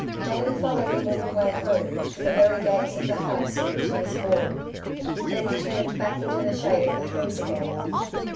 Davey followed them all the way home, to the very gates of the house in which he was born. Then he turned back into the shade of the trees again.